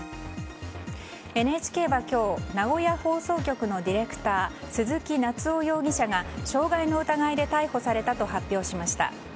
ＮＨＫは今日名古屋放送局のディレクター鈴木夏生容疑者が傷害の疑いで逮捕されたと発表しました。